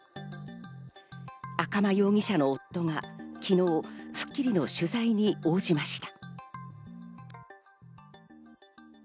赤間容疑者の夫は昨日、『スッキリ』の取材に応じました。